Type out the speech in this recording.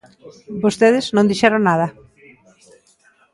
Vostedes non dixeron nada.